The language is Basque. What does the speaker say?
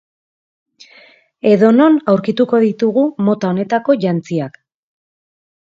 Edonon aurkituko ditugu mota honetako jantziak.